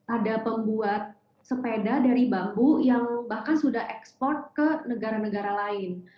ada pembuat sepeda dari bambu yang bahkan sudah ekspor ke negara negara lain